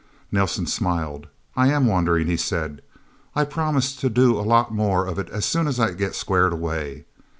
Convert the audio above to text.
Nelsen smiled. "I am wondering," he said. "I promise to do a lot more of it as soon as I get squared away.